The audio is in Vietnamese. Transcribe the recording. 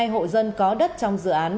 một mươi hai hộ dân có đất trong dự án